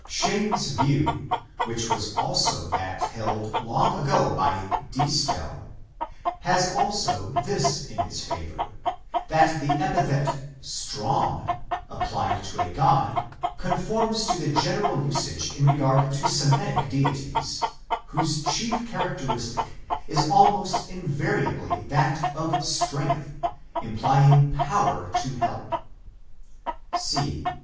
Cheyne s view, which was also that held long ago by Diestel, has also this in its favour, that the epithet " strong " applied to a god conforms to the general usage in regard to Semitic deities, whose chief characteristic is almost invariably that of strength, imply ing power to help.